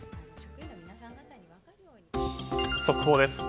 速報です。